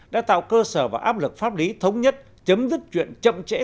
đã tạo cơ sở và áp lực pháp lý thống nhất chấm dứt chuyện chậm trễ